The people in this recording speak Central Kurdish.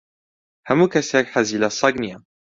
ھەموو کەسێک حەزی لە سەگ نییە.